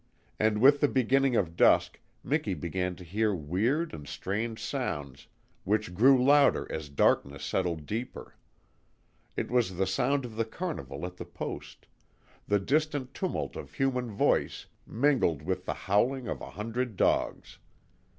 And with the beginning of dusk Miki began to hear weird and strange sounds which grew louder as darkness settled deeper. It was the sound of the carnival at the Post the distant tumult of human voice mingled with the howling of a hundred dogs.